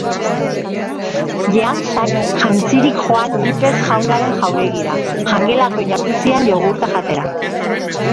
Jeansak jantzirik joan jeepez jaunaren jauregira, jangelako jacuzzian jogurta jatera.